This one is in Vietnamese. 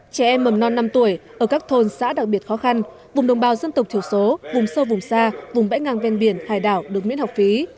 trẻ em mầm non năm tuổi ở các thôn xã đặc biệt khó khăn vùng đồng bào dân tộc thiểu số vùng sâu vùng xa vùng bãi ngang ven biển hải đảo được miễn học phí